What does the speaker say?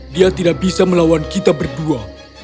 dia tidak bisa melawan kita berdua